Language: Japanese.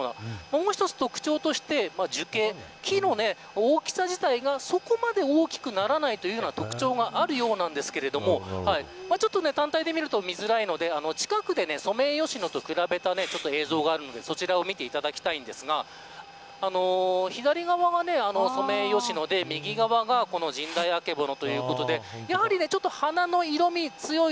もう一つ、特徴として樹形、木の大きさ自体がそこまで大きくならないという特徴があるようなんですけれど単体で見ると見づらいので近くでソメイヨシノと比べた映像があるのでそちらを見ていただきたいんですが左側がソメイヨシノで右側がジンダイアケボノということでやはり花の色味が強い。